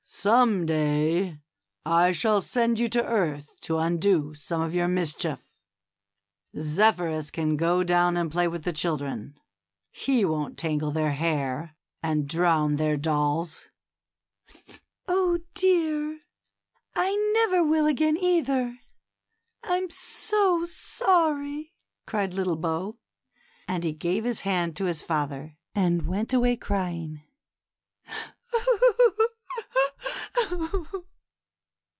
Some day I shall send you to earth to undo some of your mischief. Zephyrus can go down and play with the children. He won't tangle their hair and drown their dolls." Oh, dear ! I never will again, either ; I'm so sorry," cried little Bo ; and he gave his hand to his father, and went away crying.